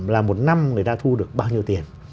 là một năm người ta thu được bao nhiêu tiền